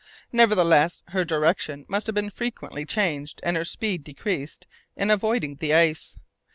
Nevertheless, her direction must have been frequently changed and her speed decreased in avoiding the ice.